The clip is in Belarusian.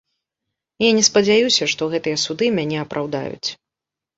Я не спадзяюся, што гэтыя суды мяне апраўдаюць.